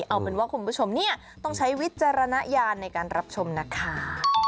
เอาเป็นว่าคุณผู้ชมเนี่ยต้องใช้วิจารณญาณในการรับชมนะคะ